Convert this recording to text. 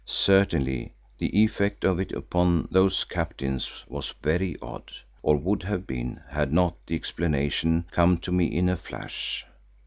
Certainly the effect of it upon those captains was very odd, or would have been had not the explanation come to me in a flash.